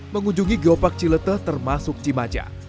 mengunjungi geopark cilete termasuk cimaja